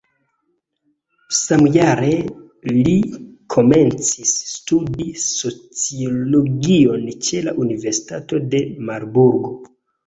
Samjare li komencis studi sociologion ĉe la universitato de Marburgo.